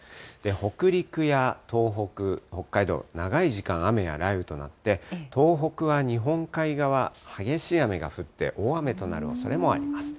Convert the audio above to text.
北陸や東北、北海道、長い時間、雨や雷雨となって、東北は日本海側、激しい雨が降って、大雨となるおそれもあります。